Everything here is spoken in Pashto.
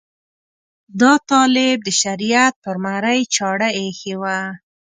دا طالب د شریعت پر مرۍ چاړه ایښې وه.